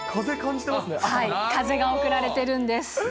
風が送られてるんです。